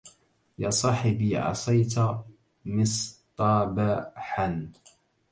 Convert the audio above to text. يا صاحبي عصيت مصطبحا